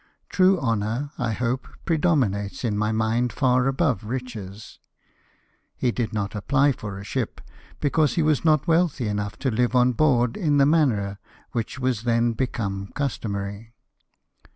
True honour, I hope, predominates in my mind far above riches." He did not apply for a ship, because he was not wealthy enough to live on board in the manner which was then become custom ary.